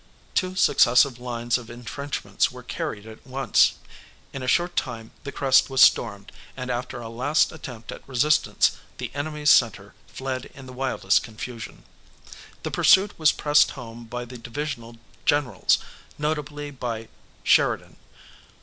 Two successive lines of entrenchments were carried at once. In a short time the crest was stormed, and after a last attempt at resistance the enemy's centre fled in the wildest confusion. The pursuit was pressed home by the divisional generals, notably by Sheridan.